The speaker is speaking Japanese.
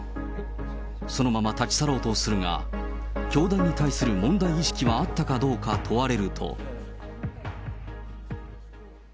そのまま立ち去ろうとするが、教団に対する問題意識はあったかどうか問われると。